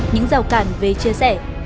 những rào cản về chia sẻ